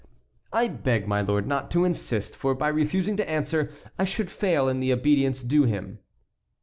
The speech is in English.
"I beg my lord not to insist, for by refusing to answer I should fail in the obedience due him."